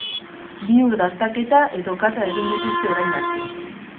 Bi ur dastaketa edo kata egin dituzte orain arte.